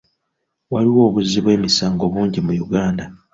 Waliwo obuzzi bw'emisango bungi mu Uganda.